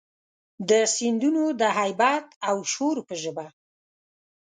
د سیندونو د هیبت او شور په ژبه،